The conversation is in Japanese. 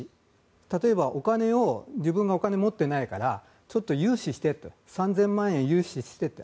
例えば自分がお金を持ってないからちょっと３０００万円、融資してと。